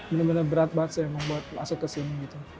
bener bener berat banget saya membuat masuk ke sini gitu